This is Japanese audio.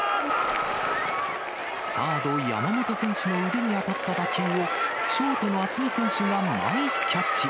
サード、山本選手の腕に当たった打球を、ショートの渥美選手がナイスキャッチ。